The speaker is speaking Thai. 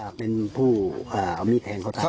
ก็เป็นคุณแทนเขาใส่